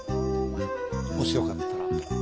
もしよかったら。